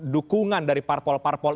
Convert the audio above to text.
dukungan dari parpol parpol